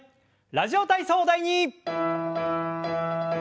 「ラジオ体操第２」。